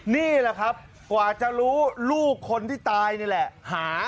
นี่แหละครับกว่าจะรู้ลูกคนที่ตายนี่แหละหา